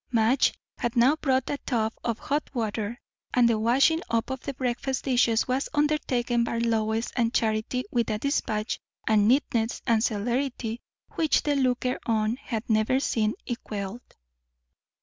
Madge had now brought a tub of hot water, and the washing up of the breakfast dishes was undertaken by Lois and Charity with a despatch and neatness and celerity which the looker on had never seen equalled.